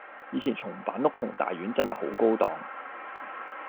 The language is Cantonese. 以前松板屋同大丸真係好高檔